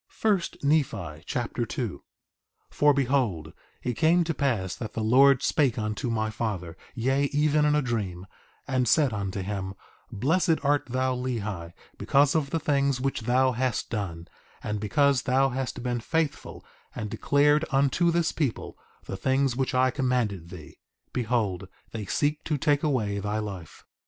1 Nephi Chapter 2 2:1 For behold, it came to pass that the Lord spake unto my father, yea, even in a dream, and said unto him: Blessed art thou Lehi, because of the things which thou hast done; and because thou hast been faithful and declared unto this people the things which I commanded thee, behold, they seek to take away thy life.